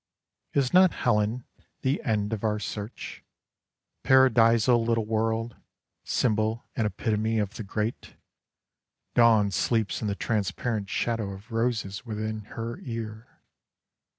Is not Helen the end of our search — paradisal little World, symbol and epitome of the Great ? Dawn sleeps in the transparent shadow of roses within her ear.